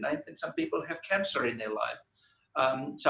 ada orang yang punya kanker dalam hidup mereka